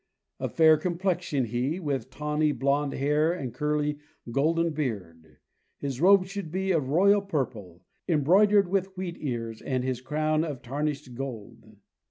Of fair complexion he, with tawny, blonde hair and curly, golden beard. His robe should be of royal purple, embroidered with wheat ears, and his crown of tarnished gold.